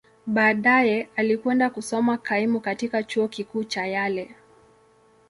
Baadaye, alikwenda kusoma kaimu katika Chuo Kikuu cha Yale.